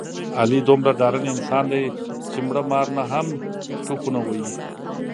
علي دومره ډارن انسان دی، چې مړه مار نه هم ټوپونه وهي.